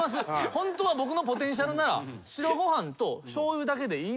ホントは僕のポテンシャルなら白ご飯としょうゆだけでいい。